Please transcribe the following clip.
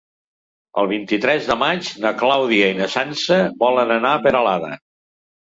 El vint-i-tres de maig na Clàudia i na Sança volen anar a Peralada.